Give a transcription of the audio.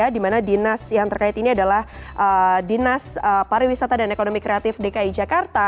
di mana dinas yang terkait ini adalah dinas pariwisata dan ekonomi kreatif dki jakarta